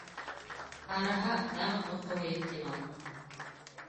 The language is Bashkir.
Ҡараһа, тағы ҡоҫоуы ихтимал...